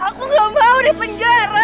aku gak mau di penjara